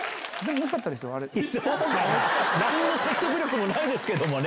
なんの説得力もないですけれどもね。